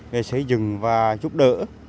để xây dựng và giúp đỡ